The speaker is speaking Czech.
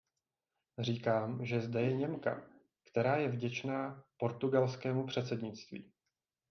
Říkám, že zde je Němka, která je vděčná portugalskému předsednictví.